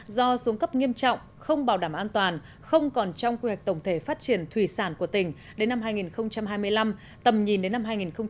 do xuống cấp nghiêm trọng không bảo đảm an toàn không còn trong quy hoạch tổng thể phát triển thủy sản của tỉnh đến năm hai nghìn hai mươi năm tầm nhìn đến năm hai nghìn ba mươi